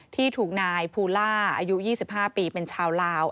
ที่ถูกนายภูล่าอายุ๒๕ปีเป็นชาวลาว